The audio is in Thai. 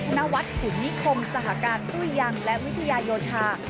นวัดขุนนิคมสหการซุ้ยยังและวิทยาโยธา